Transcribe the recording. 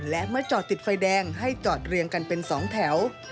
และเมื่อจอดติดไฟแดงให้จอดเรียงกันเป็น๒แถว